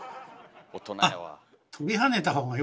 大人やわ。